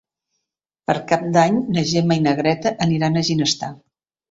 Per Cap d'Any na Gemma i na Greta aniran a Ginestar.